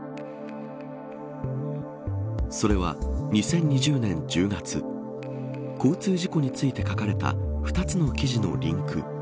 それは、２０２０年１０月交通事故について書かれた２つの記事のリンク。